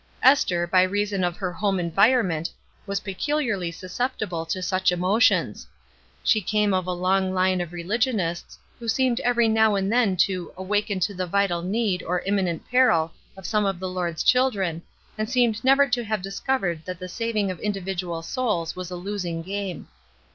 Esther, by reason of her home environment, was peculiarly susceptible to such emotions ; she came of a long line of religionists who seemed every now and then to '^awaken to the vital need or imminent peril of some of the Lord's children, and seemed never to have dis covered that the saving of individual souls was a losing game."